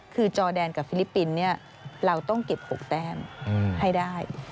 คือจอแดนกับฟิลิปปินส์เราต้องเก็บ๖แต้มให้ได้